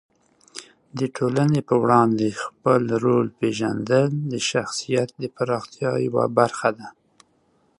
د ټولنې په وړاندې خپل رول پېژندل د شخصیت د پراختیا یوه برخه ده.